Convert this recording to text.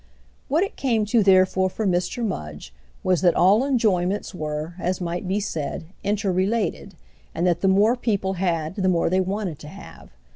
What it came to therefore for Mr. Mudge was that all enjoyments were, as might be said, inter related, and that the more people had the more they wanted to have.